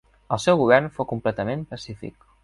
El seu govern fou completament pacífic.